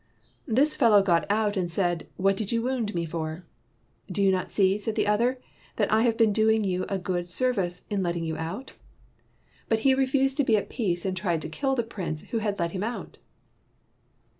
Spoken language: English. This fellow got out and said, 'What did you wound me for?' 'Bo you not see,' said the other, 'that I have been doing you a good service in letting you out %' But he refused 151 WHITE MAN OF WORK to be at peace, and tried to kill the prince who had let him out!"